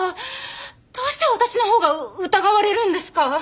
どうして私のほうが疑われるんですか？